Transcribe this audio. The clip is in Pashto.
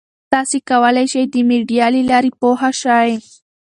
تاسي کولای شئ د میډیا له لارې پوهه شئ.